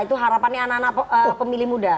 itu harapannya anak anak pemilih muda